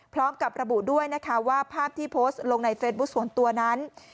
พร้อมกับระบุด้วยนะคะว่าภาพที่โพสต์ลงในเฟซบุ๊คส่วนตัวนั้น